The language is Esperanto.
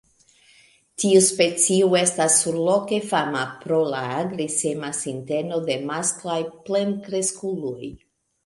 Tiu specio estas surloke fama pro la agresema sinteno de masklaj plenkreskuloj.